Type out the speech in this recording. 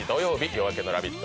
「夜明けのラヴィット！」